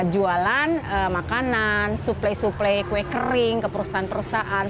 jualan makanan suplai suplai kue kering ke perusahaan perusahaan